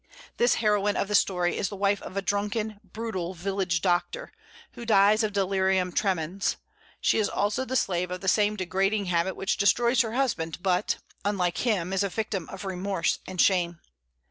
This heroine of the story is the wife of a drunken, brutal village doctor, who dies of delirium tremens; she also is the slave of the same degrading habit which destroys her husband, but, unlike him, is a victim of remorse and shame.